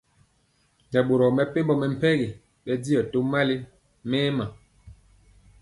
Nɛ boro mepempɔ mɛmpegi bɛndiɔ tó mali mɛma.